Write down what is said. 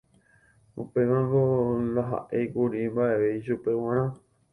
Upévango ndaha'éikuri mba'eve ichupe g̃uarã